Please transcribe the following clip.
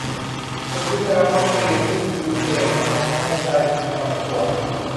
คนที่ได้รับวัคซีนที่ยูเคอนุมัติให้ใช้อีกสองตัว